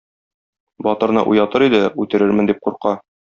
Батырны уятыр иде, үтерермен дип курка.